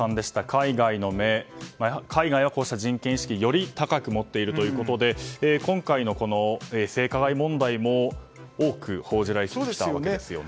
海外の目、海外はやはり、こうした人権意識をより高く持っているということで今回の性加害問題も多く報じられてきたわけですよね。